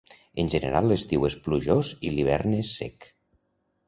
En general l'estiu és plujós i l'hivern és sec.